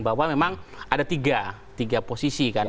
bahwa memang ada tiga tiga posisi kan